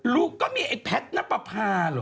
ก็มีไอ้แพทย์นับประพาเหรอ